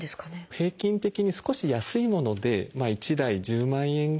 平均的に少し安いもので１台１０万円ぐらいします。